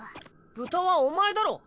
豚はお前だろ。